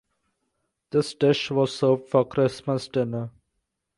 This dish was served for Christmas dinner.